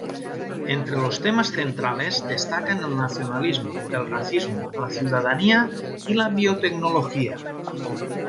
Entre los temas centrales destacan el nacionalismo, el racismo, la ciudadanía y la biotecnología.